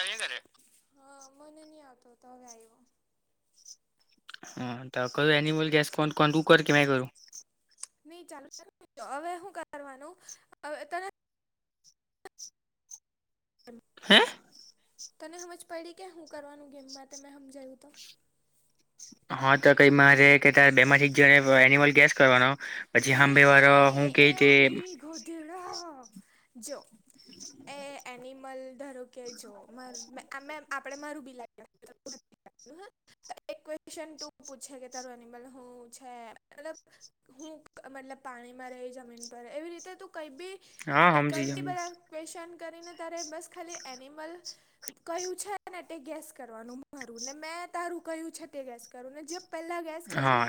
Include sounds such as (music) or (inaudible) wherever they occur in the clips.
આવ્યા કરે હા મને નહીં આવતો હતો હવે આવ્યો. હા તો કરું એનિમલ ગેસ કો કોું કર કે કરું. નહી ચાલ હવે હુ કરવાનું ત હમ હે? તને સમમજ પડી કે હું કરવાનું ગેમમાં મેં સમમજયું તો હા તો કઈ મારે કે તારે બેમાથી જ જો એનિમલ ગેસ કરવાનો પછી ને હાંભે વારો હું કેય તે એવું નહી જો (unintelligible) એ એનિમલ ધારો કે જો મા આપણેે મારું બીલા હ (unintelligible) (inaudible) એક ક્વેશન તું પૂછે કે તારું એનિમલ હું છે મતલબ હું મતલબ પાણીમાં રહી જમીન પર એવી રીતે તું કઈ બી હા એ હમજી કઈ બી ગયો બધા ક્વેશચન કરીને તારે બસ ખાલી એનિમલ ક્યું છે ને તે ગેસ કરવાનું મારું ને મેં તારું કહ્યું છે તે ગેસ કરું ને જે પહેલા હા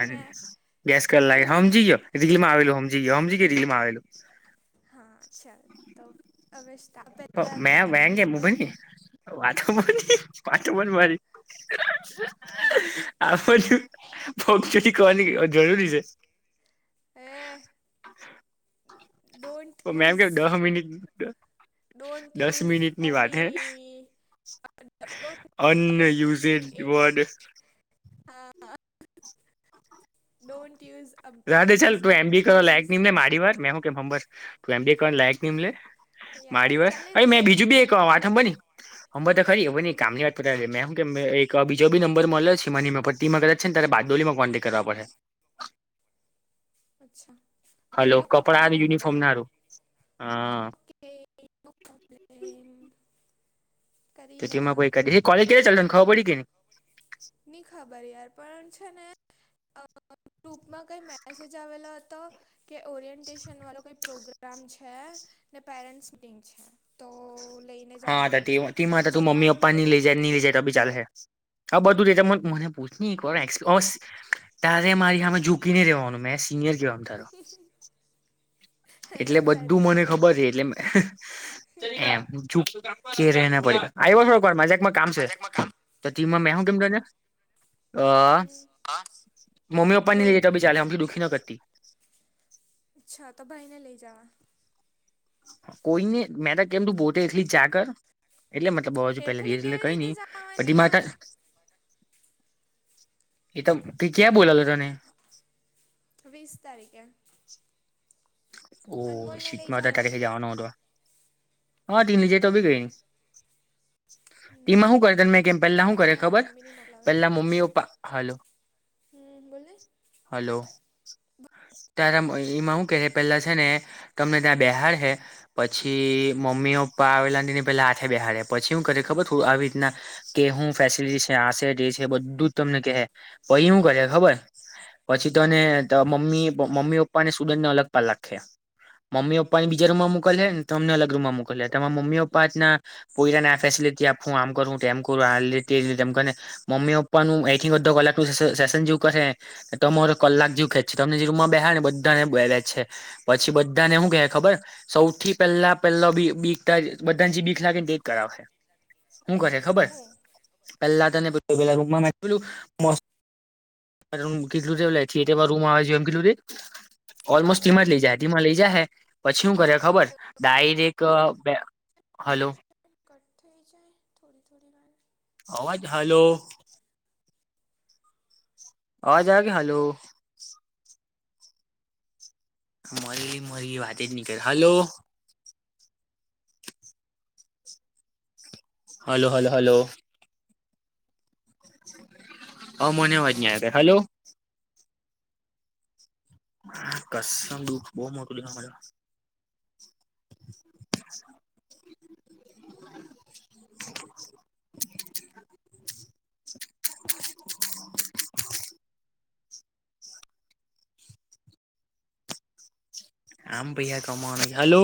ગેસ ક લાગે વિનર હમજી ગયો રીલમાં આવેલું હમજી ગયો હમજી ગયો રીલ માં આવેલું હા ચાલ તો અવશતા મે વાગે મભલની વાતો હા પણ વાતો પણ મારી હા આ. બ ચેરી કરવાની જરૂરી છે. હે ડોન્ટન્ટ મેમ કે બુઝ. દહ મિનિટ દસ મિનિટની વાત હે. અનયુઝેડ વર્ડ હા ડોન્ટ યુઝ રાધે ચાલ તું એમ બી કરવા લાયક નીમ લે મારી વાર મેં હું કેંર તું એમબી કરવા હા લાયક નીમ લે યાર મારી વાર ચાલે અરે તો મેં ગેમ બીજું બી ગેમ એક વાત હંબાની અંબા તો ખરી બ કામની વાત મેમ કે એક બીજો નંબર મળલો છે એ મનીમાં કદા જ છે ત્યારે બારડોલીમાં કોન્ટેક્ટ કરવા પડશે. (inaudible) અચ્છા હલો પેલું કપડા અને ને મરે યુનિફોર્મ ના એમ્લેમ. હારું હા તેથીમાં કો કોલેજ કયારે ચાલુ થવાની ખબર પડી કે ની ની ખબર યાર પણ છેને. ગ્રુપમાં કઈ મેસેજ આવેલો હતો કે ઓરિએન્ટેશન વાળો કઈ પ્રોગ્રામ છે. ને પેરેન્ટ્સ મીટિંગ છે તો લઈને જવાનું હાી પેરેન્ટ્સને તો તેમાં તો તું મમ્મી જમવાનું ને પપ્પા ની બધું લઈ જાય ની લઈ જાય તો બી ચાલલે હે. આ બધુંતે મને પૂછ ન એક વારસ તારે મારી હમે જુ જુકીને રેવાનું મે એ સિનય કે અનંધરો. (inaudible) એટલે તારી બધું મને હાવ ખબર છે ચૂકી એટલે એમ. ચૂપ કે રે ને ભાઈ આવ્યો મેં જરાક મા જરાક કામ છે. મજાકમાં કામ તો ટીમાં મે હું કેમ તને. અ હમ હા મમ્મી પપ્પાને ની લઈ બોલ જાય તો બી ચાલે અમથી દુઃખી ની કરતી. અચ્છા તો ભાઈ ને લઈ જવા. કોઈ ને મેં તો કેમ તું પોતે એકલી જા કર. એટલે મતલબ બોજ પેલે એકલી દિવસ એટલે કેવી કંઈ રીતે ની જવાની પછી માર યાર તાં જ ઈ તો ક્યાં બોલાવે તને. વીસ તારીકે. ઓ શીટ લઈ મેં અઢાર જવા તારીખે જવાનો હતો હા તેને લઈ જાય તો બી કંઈ ની. ને ટીમા હું કરે ત મેં મમ્મી કેમ પહેલા હું એના કરે હાથે ખબર મમ્મી ની મોકલાવે પહેલા મમ્મી પપ્પા હાલો. હમ્મ બોલની. હલો તારા એમાં હું કે. પેલા છે ને તમને ત્યાં બેહાર હૈ. પછી મમ્મી પપ્પા આવેલાા તેને પેલા હાથે બેહાડે પછી હું કરે ખબર થું આવી રીતના કે હું ફેસિલિટી છે આશે જે છે બધું જ તમને કેહે પહી હું કરે ખબર પછી તને ત મમ્મી મમ્મી પપ્પાને સ્ટુડન્ટ ને અલગ પાડી લાખે. મમ્મી પપ્પાને બીજા રુમમાં મોકલહે છે ને તમને અલગ રૂમ મા મોકલે હૈ. તમારા મમ્મી પપ્પા આ રીતના. પોઈરાને આ ફેસિલિટી આપું હું આમ કરું તે તેમ કરું હું આ રીતે તે રીતે. મમ્મી પપ્પાનું એ થી અડધા કલાક જેટલું સેસન જેવું કરહે. ને તમોરે કલાક જેવું ખેચે તમને જે રૂમમાં બેહાડે ને બધા ને બેહાડેલા છે. પછી બધાને હું કે ખબર સૌથી પહેલા પહેલા બી બી બધા જે બીખ લાગે ને તેજ કરાવે હૈ. શું કરે ખબર હું પેલા તને પેલા રૂમમાં મસ્ત. તારે રૂમ કેટલુ થિયેટરમાં રૂમ આવે એમ કેટલું રીતે ઓલમોસ્ટ જિમ મા જ લઈ જાય હ જીમાં લઈ જાય હે પછી હું કરે ખબર ડાયરેક્ટ હાલો. કટ થઈ જાય થોડી થોડી વારે. અવાજ હલો. આ જાગ હલો. મરી મરી વાતે જ નનીકળે હલો. Hello hello hello. હ મોન અવાજ ની હલો. કસમ દુઃખ બહુ મોટું. આમ પૈહા કમાવાના છે હલો.